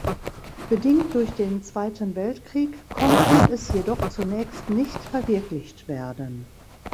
Bedingt durch den Zweiten Weltkrieg konnte es jedoch zunächst nicht verwirklicht werden.